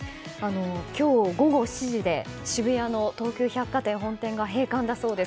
今日午後７時で渋谷の東急百貨店本店が閉館だそうです。